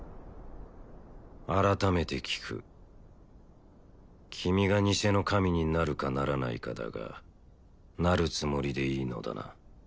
改めて聞く君が偽の神になるかならないかだがなるつもりでいいのだな？